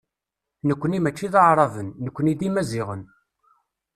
Nekkni mačči d Aɛraben, nekkni d Imaziɣen.